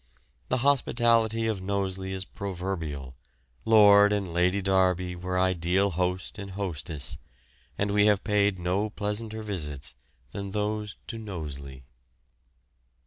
The hospitality of Knowsley is proverbial, Lord and Lady Derby were ideal host and hostess, and we have paid no pleasanter visits than those to Knowsley.